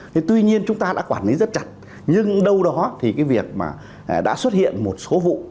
thế tuy nhiên chúng ta đã quản lý rất chặt nhưng đâu đó thì cái việc mà đã xuất hiện một số vụ